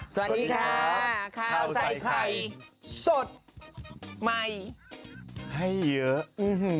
สวัสดีค่ะข้าวใส่ไข่สดใหม่ให้เยอะ